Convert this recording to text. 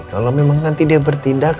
kalau memang nanti dia bertindak